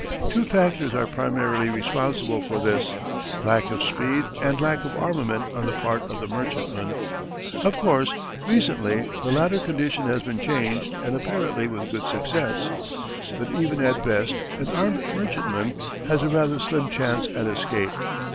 Two factors are primarily responsible for this: lack of speed and lack of armament on the part of the merchantman. Of course, recently the latter condition has been changed and apparently with good success. But even at best, an armed merchantman has a rather slim chance at escape.